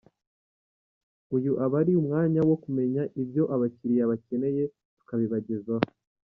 Uyu uba ari umwanya wo kumenya ibyo abakiriya bakeneye tukabibagezaho.